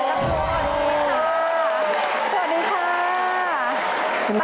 สวัสดีค่ะ